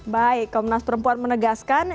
baik komnas perempuan menegaskan